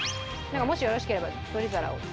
もしよろしければ取り皿を。